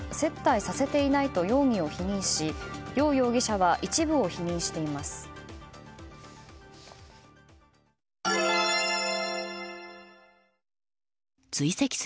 調べに対し、高野容疑者は接待させていないと容疑を否認しヨウ容疑者は一部を否認しています。